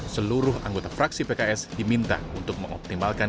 seluruh anggota fraksi pks diminta untuk mengoptimalkan